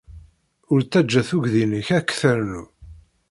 Ur ttajja tugdi-nnek ad k-ternu.